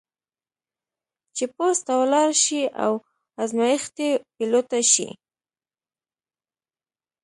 چې پوځ ته ولاړه شي او ازمېښتي پیلوټه شي.